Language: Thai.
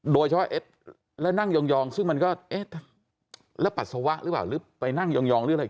โดยเฉพาะแล้วนั่งยองซึ่งมันก็เอ๊ะแล้วปัสสาวะหรือเปล่าหรือไปนั่งยองหรืออะไร